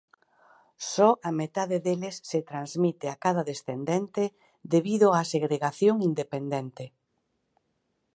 Só a metade deles se transmite a cada descendente debido á segregación independente.